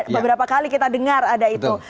beberapa kali kita dengar ada itu